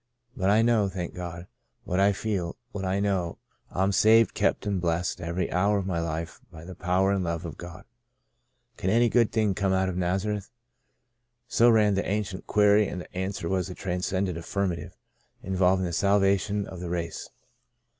But I know, thank God, what I feel — what I know. I'm saved, kept, and blessed every hour of my life by the power and love of God." " Can any good thing come out of Naza reth?" So ran the ancient query, and the answer was a transcendent affirmative, in volving the salvation of the race.